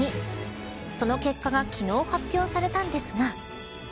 その結果が昨日発表されたんですが。